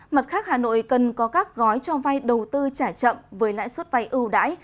mặt khác hà nội cần có các gói cho vay đầu tư trả chậm với lãi suất vay ưu đãi